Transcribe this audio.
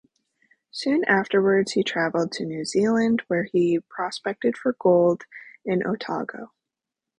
Soon afterwards he travelled to New Zealand where he prospected for gold in Otago.